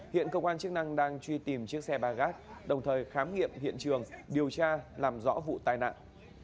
hiện công an chức năng đang truy tìm chiếc xe bagas đồng thời khám nghiệm hiện trường điều tra làm rõ vụ tai nạn